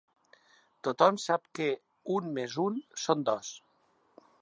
Tothom sap que un més un són dos.